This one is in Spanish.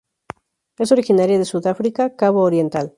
Es originaria de Sudáfrica, Cabo Oriental.